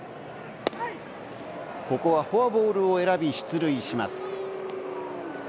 ここはフォアボールを選び、出塁します。